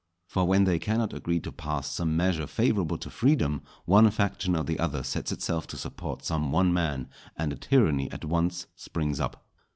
For when they cannot agree to pass some measure favourable to freedom, one faction or the other sets itself to support some one man, and a tyranny at once springs up.